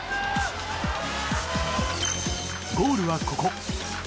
ゴールはここ。